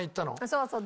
そうそう。